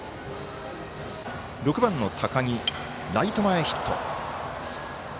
６番、高木ライト前ヒット。